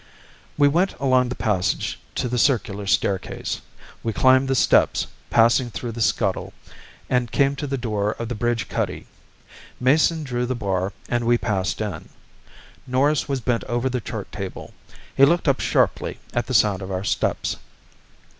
We went along the passage to the circular staircase. We climbed the steps, passed through the scuttle and came to the door of the bridge cuddy. Mason drew the bar and we passed in. Norris was bent over the chart table. He looked up sharply at the sound of our steps.